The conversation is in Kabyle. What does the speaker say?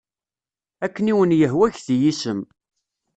Akken i wen-yehwa get-iyi isem.